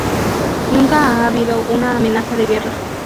Nunca ha habido una amenaza de guerra.